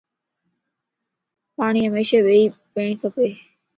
پاڻين ھميشا ٻيئي پيڻ کپ